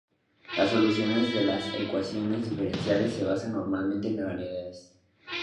Las soluciones de las ecuaciones diferenciales se basan normalmente en las variedades.